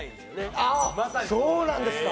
あっそうなんですか。